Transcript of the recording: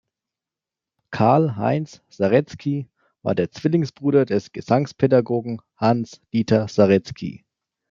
Karl-Heinz Saretzki war der Zwillings-Bruder des Gesangspädagogen Hans-Dieter Saretzki.